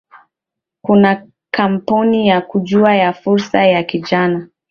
Kuna kampeni ya Jukwaa la Fursa kwa Vijana